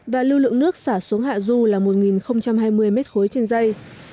và lưu lượng nước xả xuống hạ du là một nghìn hai mươi m ba trên dây